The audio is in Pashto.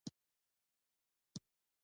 منډه ذهن بیدار ساتي